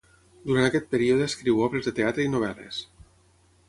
Durant aquest període escriu obres de teatre i novel·les.